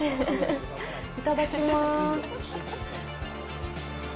いただきます。